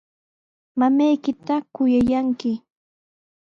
Mamaykita kuyallanki.